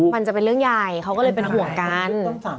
มันจะเป็นเรื่องใหญ่เขาก็เลยเป็นห่วงกัน